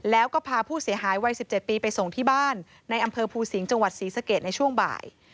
แล้วก็พาผู้เสียหายวัย๑๗ปีไปส่งที่บ้านในอำเภอภูสิงห์จังหวัดศรีสะเกดในช่วงบ่าย